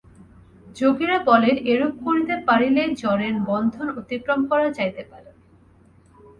যোগীরা বলেন, এরূপ করিতে পারিলেই জড়ের বন্ধন অতিক্রম করা যাইতে পারে।